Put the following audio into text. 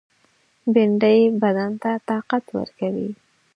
بېنډۍ بدن ته طاقت ورکوي